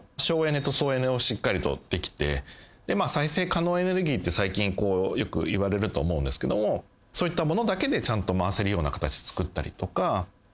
省エネと創エネをしっかりとできて再生可能エネルギーって最近よくいわれると思うんですけどもそういったものだけでちゃんと回せるような形つくったりとか。